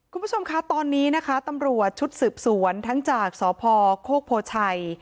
คุณผู้ชมคะตอนนี้นะคะตำรวจชุดสืบสวนทั้งจากสพโคกโพชัย